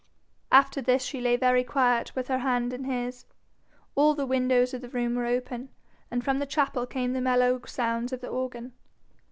After this she lay very quiet with her hand in his. All the windows of the room were open, and from the chapel came the mellow sounds of the organ.